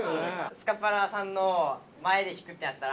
スカパラさんの前で弾くってなったら。